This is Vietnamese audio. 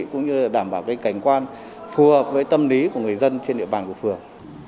cũng như đảm bảo cảnh quan phù hợp với tâm lý của người dân trên địa bàn của phường